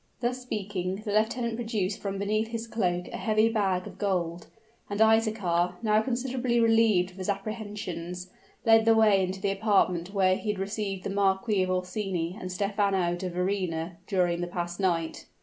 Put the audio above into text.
Thus speaking, the lieutenant produced from beneath his cloak a heavy bag of gold; and Isaachar, now considerably relieved of his apprehensions, led the way into the apartment where he had received the Marquis of Orsini and Stephano de Verrina during the past night.